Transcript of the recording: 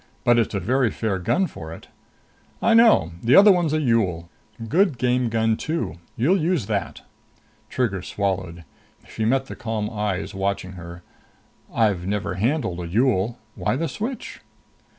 "But it's a very fair gun for it." "I know. The other one's a Yool. Good game gun, too. You'll use that." Trigger swallowed. She met the calm eyes watching her. "I've never handled a Yool. Why the switch?"